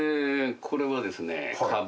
これはですね。